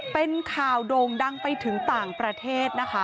เป็นข่าวโด่งดังไปถึงต่างประเทศนะคะ